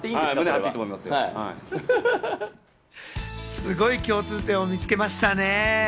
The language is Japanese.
すごい共通点を見つけましたね。